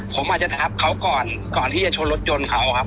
ผมอาจจะทับเขาก่อนก่อนที่จะชนรถยนต์เขาครับ